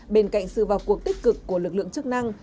bên cạnh sự vào cuộc tích cực của lực lượng chức năng